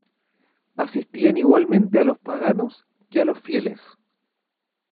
Asistían igualmente a los paganos que a los fieles.